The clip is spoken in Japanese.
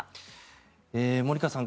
森川さん